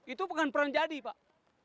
itu bukan perang jadi pak